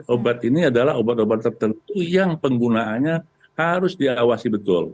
obat ini adalah obat obat tertentu yang penggunaannya harus diawasi betul